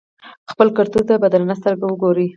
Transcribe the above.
خپل کلتور ته په درنه سترګه وګورئ.